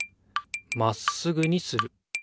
まっすぐにする。